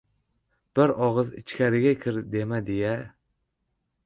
— Bir og‘iz ichkari kir, demadi-ya!